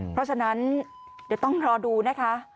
เพราะฉะนั้นเดี๋ยวต้องรอดูนะคะ